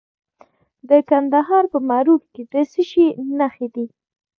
د کندهار په معروف کې د څه شي نښې دي؟